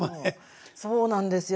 そうなんですよ